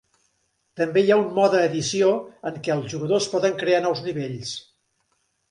També hi ha un "mode edició" en què els jugadors poden crear nous nivells.